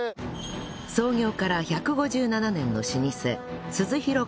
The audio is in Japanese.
創業から１５７年の老舗鈴廣